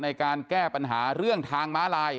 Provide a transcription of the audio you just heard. ในการแก้ปัญหาเรื่องทางม้าลาย